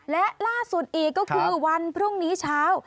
และล่าสุดอีกก็คือวันพรุ่งนี้เช้า